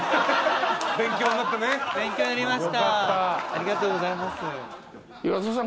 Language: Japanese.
ありがとうございます。